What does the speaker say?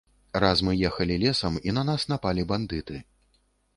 Раз мы ехалі лесам, і на нас напалі бандыты.